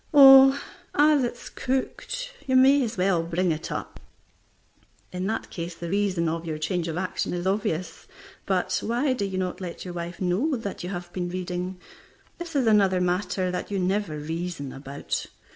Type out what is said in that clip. "Oh, as it's cooked, you may as well bring it up." In that case the reason of your change of action is obvious. But why do you not let your wife know that you have been reading? This is another matter that you never reason about.